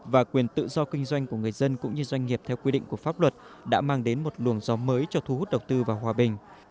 và quyền tự do kinh doanh của người dân cũng như doanh nghiệp theo quy định của pháp luật đã mang đến một luồng gió mới cho thu hút đầu tư vào hòa bình